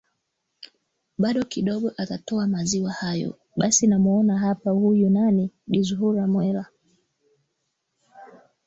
bado kidogo atatoa maziwa hayo basi namwona hapa huyu nani bi zuhra mwera